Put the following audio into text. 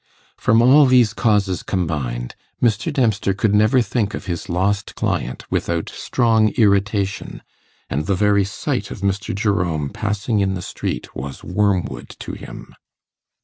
From all these causes combined, Mr. Dempster could never think of his lost client without strong irritation, and the very sight of Mr. Jerome passing in the street was wormwood to him.